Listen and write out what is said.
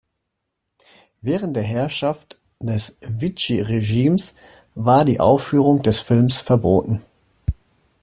Während der Herrschaft des Vichy-Regimes war die Aufführung des Films verboten.